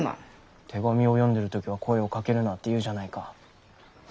手紙を読んでる時は声をかけるなって言うじゃないか。